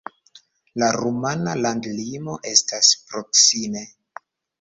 La rumana landlimo estas proksime.